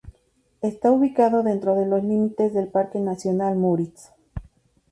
Está ubicado dentro de los límites del Parque nacional Müritz.